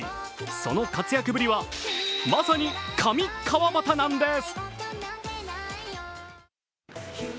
その活躍ぶりは、まさに神川畑なんです。